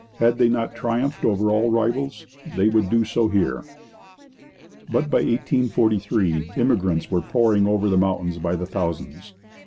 Had they not triumphed over all rivals? They would do so here. But by 1843 immigrants were pouring over the mountains by the thousands.